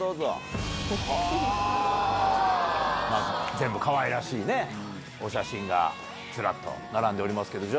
全部かわいらしいお写真がズラっと並んでおりますけど。